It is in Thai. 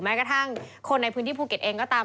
แม้กระทั่งคนในพื้นที่ภูเก็ตเองก็ตาม